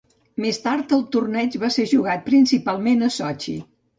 Més tard, el torneig va ser jugat principalment a Sotxi.